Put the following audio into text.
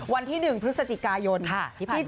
วันที่หนึ่งพฤศจิกายนข้ะที่ผ่านนะคะ